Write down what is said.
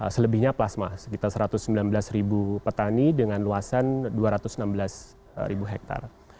selebihnya plasma sekitar satu ratus sembilan belas ribu petani dengan luasan dua ratus enam belas ribu hektare